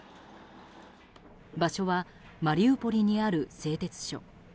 場所はマリウポリにある製鉄所。